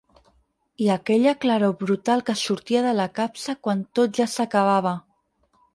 I aquella claror brutal que sortia de la capsa quan tot ja s'acabava.